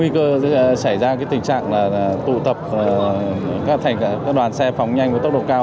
vị trí mà có nguy cơ xảy ra tình trạng là tụ tập các đoàn xe phòng nhanh với tốc độ cao